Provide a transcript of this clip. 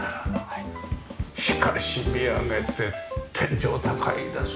しかし見上げて天井高いですね。